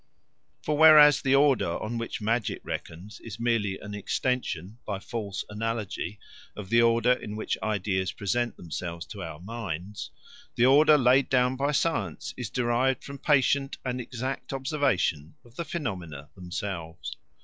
For whereas the order on which magic reckons is merely an extension, by false analogy, of the order in which ideas present themselves to our minds, the order laid down by science is derived from patient and exact observation of the phenomena themselves.